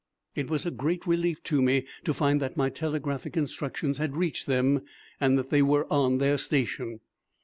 It was a great relief to me to find that my telegraphic instructions had reached them and that they were on their station.